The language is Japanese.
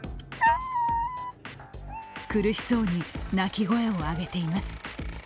苦しそうに鳴き声を上げています。